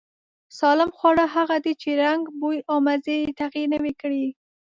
سالم خواړه هغه دي چې رنگ، بوی او مزې يې تغير نه وي کړی.